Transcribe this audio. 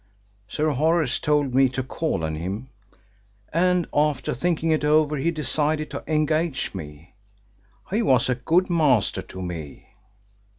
Sir Horace told me to call on him, and after thinking it over he decided to engage me. He was a good master to me."